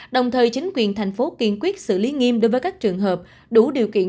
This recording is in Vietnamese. đồng thời chính quyền thành phố kiên quyết xử lý nghiêm đối với các trường hợp đủ điều kiện